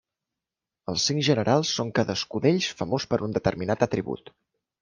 Els cinc generals són cadascú d'ells famós per un determinat atribut.